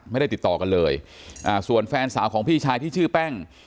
ไม่ได้ติดต่อกันเลยอ่าส่วนแฟนสาวของพี่ชายที่ชื่อแป้ง